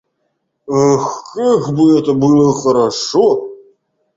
Ах, как бы это было хорошо!